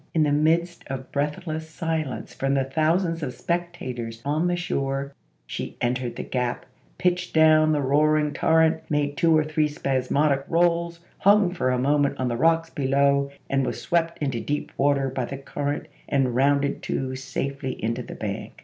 In the midst of breathless silence from the thou sands of spectators on the shore, " she entered the gap, ... pitched down the roaring torrent, made two or three spasmodic rolls, hung for a moment on the rocks below, was then swept into deep water by the current, and rounded to safely into the bank.